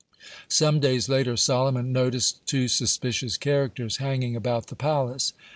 Some days later Solomon noticed two suspicious characters hanging about the palace.